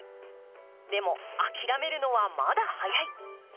でも諦めるのはまだ早い。